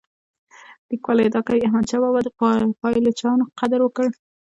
لیکوال ادعا کوي احمد شاه بابا د پایلوچانو قدر وکړ.